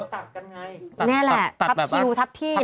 ต่างกันไงนี่แหละทับคิวทัพที่